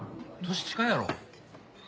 年近いやろ。